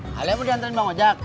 halia mau diantarin bang ngojek